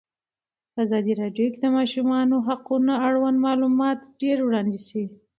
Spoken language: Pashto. په ازادي راډیو کې د د ماشومانو حقونه اړوند معلومات ډېر وړاندې شوي.